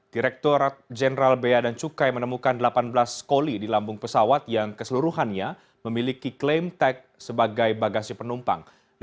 direkturat jenderal bea dan cukai menemukan delapan belas koli di lambung pesawat yang keseluruhannya memiliki klaim tag sebagai bagasi penumpang